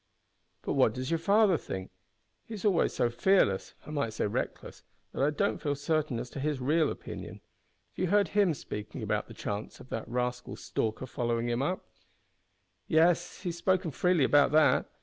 "But what does your father think. He is always so fearless I might say reckless that I don't feel certain as to his real opinion. Have you heard him speaking about the chance of that rascal Stalker following him up?" "Yes; he has spoken freely about that.